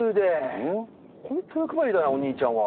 ほんと欲張りだなお兄ちゃんは。